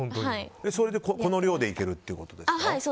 それで、この量でいけるってことですか。